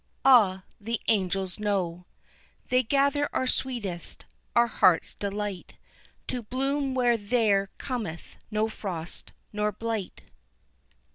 Ah, the angels know, They gather our sweetest, our heart's delight To bloom where there cometh not frost nor blight.